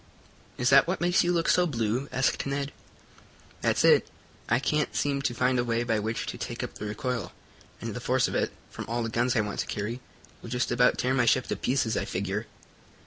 "Is that what makes you look so blue?" asked Ned. "That's it. I can't seem to find a way by which to take up the recoil, and the force of it, from all the guns I want to carry, will just about tear my ship to pieces, I figure."